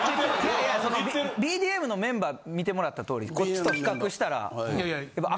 いやいやそのＢＤＭのメンバー見てもらった通りこっちと比較したらやっぱ。